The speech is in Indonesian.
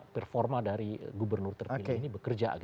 performa dari gubernur terpilih ini bekerja